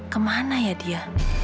kemana ya dia